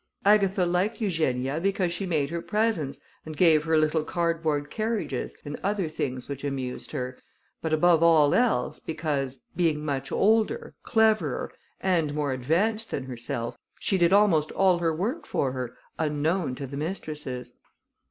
Agatha liked Eugenia because she made her presents, and gave her little card board carriages and other things which amused her, but above all because, being much older, cleverer, and more advanced than herself, she did almost all her work for her unknown to the mistresses.